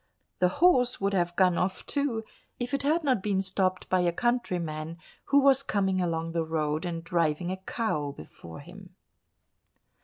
The horse would have gone off too if it had not been stopped by a countryman, who was coming along the road and driving a cow before him.